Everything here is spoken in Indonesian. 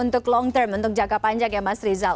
untuk long term untuk jangka panjang ya mas rizal